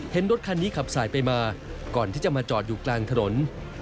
รถคันนี้ขับสายไปมาก่อนที่จะมาจอดอยู่กลางถนน